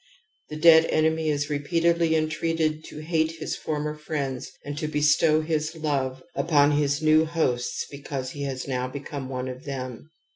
The dead enemy is repeatedly entreated to hate his former friends and to bestow his love upon his new hosts because he has now become one of them.